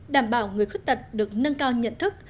đảm bảo người khuyết tật được nâng cao nhận thức